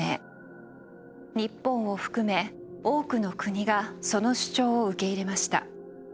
日本を含め多くの国がその主張を受け入れました。